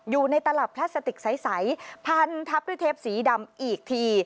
อยู่ในตลับพลาสติกใสพันทับด้วยเทปสีดำอีกที